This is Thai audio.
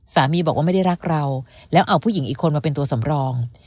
สามีบอกว่าไม่ได้รักเราแล้วเอาผู้หญิงอีกคนมาเป็นตัวสำรอง